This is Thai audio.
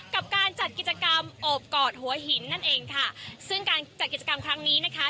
กับการจัดกิจกรรมโอบกอดหัวหินนั่นเองค่ะซึ่งการจัดกิจกรรมครั้งนี้นะคะ